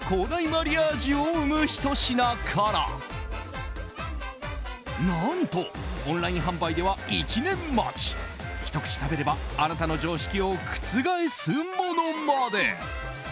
マリアージュを生むひと品から何とオンライン販売では１年待ちひと口食べればあなたの常識を覆すものまで。